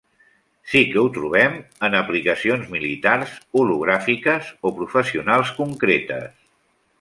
Sí que ho trobem en aplicacions militars, hologràfiques o professionals concretes.